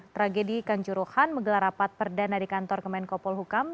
tragedi kanjuruhan menggelar rapat perdana di kantor kemenkopol hukam